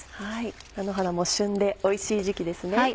菜の花も旬でおいしい時期ですね。